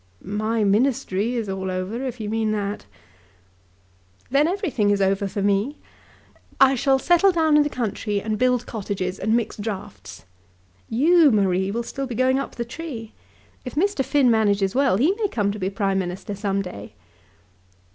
"My Ministry is all over, if you mean that." "Then everything is over for me. I shall settle down in the country and build cottages, and mix draughts. You, Marie, will still be going up the tree. If Mr. Finn manages well he may come to be Prime Minister some day."